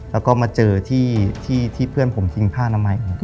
แล้วก็มาเจอที่เพื่อนผมทิ้งผ้านามัย